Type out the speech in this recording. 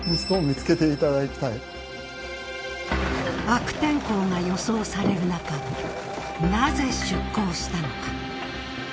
悪天候が予想されるなかなぜ出航したのか。